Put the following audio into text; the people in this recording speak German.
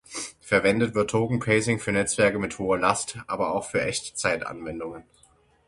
Verwendet wird Token Passing für Netzwerke mit hoher Last, aber auch für Echtzeitanwendungen.